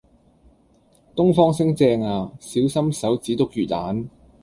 東方昇正呀，小心手指篤魚蛋